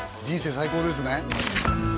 人生最高ですね